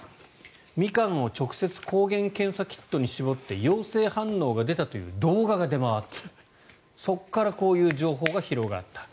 ミカンを直接抗原検査キットに絞って陽性反応が出たという動画が出回ったそこからこういう情報が広がった。